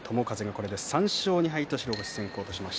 これまで３勝２敗白星先行です。